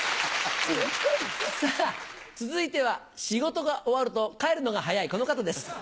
さぁ続いては仕事が終わると帰るのが早いこの方です。